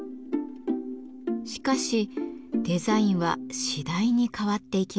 しかしデザインは次第に変わっていきます。